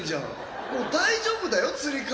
もう大丈夫だよつり革